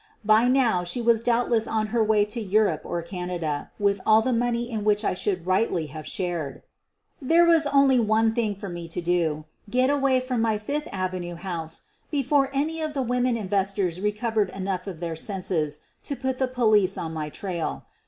By now she was doubtless on her way to Europe or Canada with all the money in which I should rightfully have shared. There was only one thing for me to do — get away 102 SOPHIE LYONS from my Fifth avenue house before any of the women investors recovered enough of their senses to put the police on my trail.